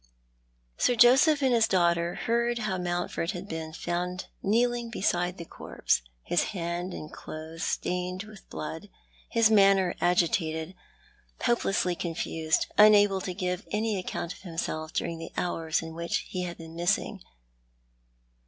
Sir Joseph and his daughter heard liow Mountford had been found kneeling beside the corpse, his hands and clothes stained with blood; his manner agitated, hopelessly confused; unable to give any account of himself during the hours in which he had been missing.